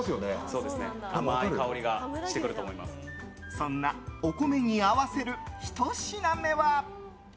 そんなお米に合わせる１品目は？